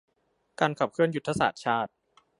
การขับเคลื่อนยุทธศาสตร์ชาติ